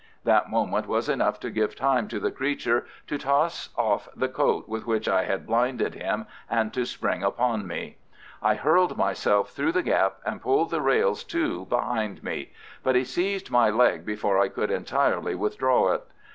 That moment was enough to give time to the creature to toss off the coat with which I had blinded him and to spring upon me. I hurled myself through the gap and pulled the rails to behind me, but he seized my leg before I could entirely withdraw it.